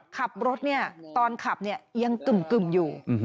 ขับรถเนี่ยตอนขับเนี่ยยังกึ่งอยู่